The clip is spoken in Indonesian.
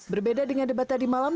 berbeda dengan debat tadi malam